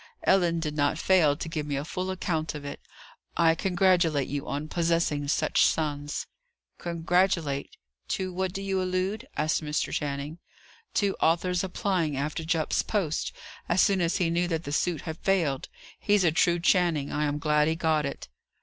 "Ellen did not fail to give me a full account of it. I congratulate you on possessing such sons." "Congratulate! To what do you allude?" asked Mr. Channing. "To Arthur's applying after Jupp's post, as soon as he knew that the suit had failed. He's a true Channing. I am glad he got it."